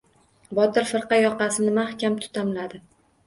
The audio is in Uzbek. Botir firqa yoqasini mahkam tutamladi.